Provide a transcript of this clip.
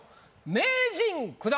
名人９段